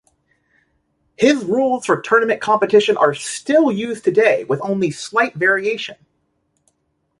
His rules for tournament competition are still used today with only slight variation.